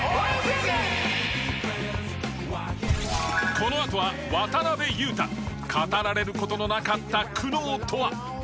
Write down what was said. このあとは渡邊雄太語られる事のなかった苦悩とは？